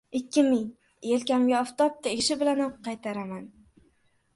— Ikki ming… Yelkamga oftob tegishi bilanoq qaytaraman.